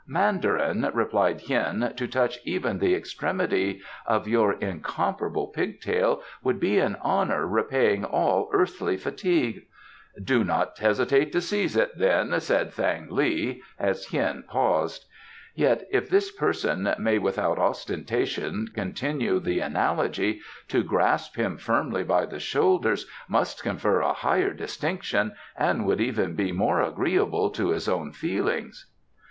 "Mandarin," replied Hien, "to touch even the extremity of your incomparable pig tail would be an honour repaying all earthly fatigue " "Do not hesitate to seize it, then," said Thang li, as Hien paused. "Yet, if this person may without ostentation continue the analogy, to grasp him firmly by the shoulders must confer a higher distinction and would be even more agreeable to his own feelings."